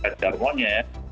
kalau ada kacangonya